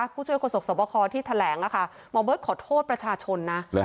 ผู้ช่วยกฎศักดิ์ศพที่แถลงนะคะหมอเบิศขอโทษประชาชนนะ